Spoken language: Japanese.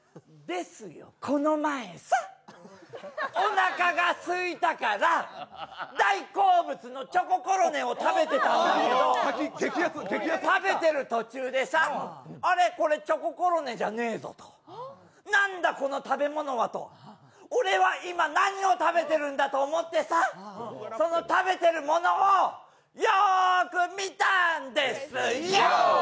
ＹＯ！ですよ、この前さっ、おなかがすいたから、大好物のチョココロネを食べてたんですけど、食べてる途中でさ、あれっ、これチョココロネじゃねえぞとなんだこの食べ物はと俺は今、何を食べてるんだと思ってさ、その食べてるものをよーく見たんですよ！